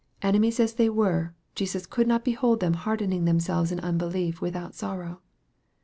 Enemies as they were, Jesus could not behold them hardening themselves in unbelief without sorrow.